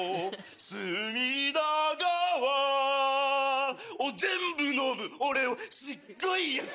隅田川を全部飲む俺はすっごいやつ